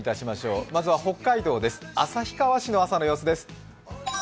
まずは北海道です、旭川市の朝の様子です。